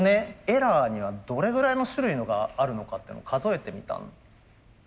エラーにはどれぐらいの種類があるのかっていうのを数えてみたんですよ。